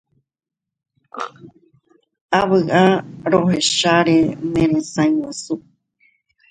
Avy'a rohecháre neresãiguasu